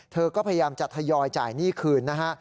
เธอก็พยายามจะทยอยจ่ายหนี้คืนนะฮะ